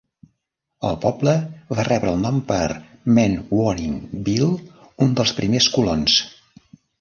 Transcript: El poble va rebre el nom per Manwaring Beal, un dels primers colons.